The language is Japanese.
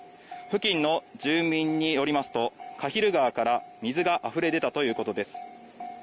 付近の住民によりますと、鹿蒜川から水があふれ出たということです。